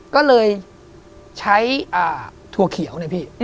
ก็เลยใช้ถั่วเขียว